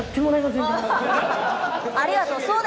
ありがとう。